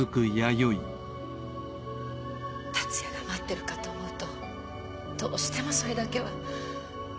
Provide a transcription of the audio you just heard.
達也が待っているかと思うとどうしてもそれだけは。